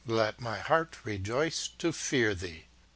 Let my heart rejoice to i'ear thee."